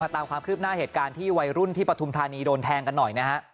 ตามความคืบหน้าเหตุการณ์ที่วัยรุ่นที่ปฐุมธานีโดนแทงกันหน่อยนะฮะ